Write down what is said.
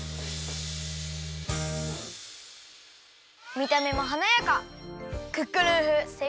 みためもはなやか！